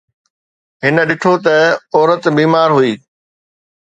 هن ڏٺو ته عورت بيمار هئي